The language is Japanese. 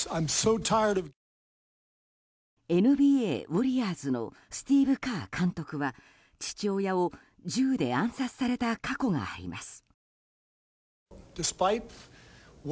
ＮＢＡウォリアーズのスティーブ・カー監督は父親を銃で暗殺された過去があります。